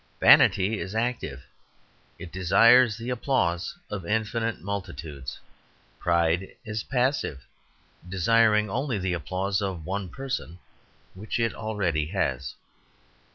Vanity is active; it desires the applause of infinite multitudes; pride is passive, desiring only the applause of one person, which it already has.